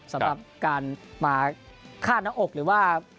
สำหรับการมาฆ่าหน้าอกหรือว่า